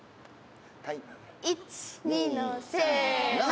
１２のせの。